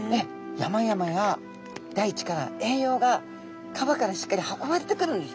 山々や大地から栄養が川からしっかり運ばれてくるんですね。